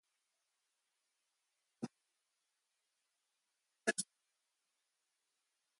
The development of the engine failed and Matteucci returned to his first occupation, hydraulics.